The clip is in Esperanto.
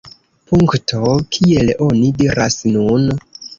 Punkto, kiel oni diras nun!